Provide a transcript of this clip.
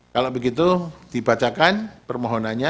kalau begitu dibacakan permohonannya